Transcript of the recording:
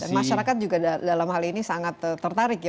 masyarakat juga dalam hal ini sangat tertarik ya